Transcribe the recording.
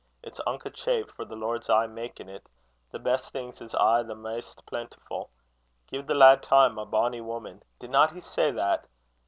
It's unco chaip, for the Lord's aye makin't. The best things is aye the maist plentifu'. Gie the lad time, my bonny woman!' didna he say that?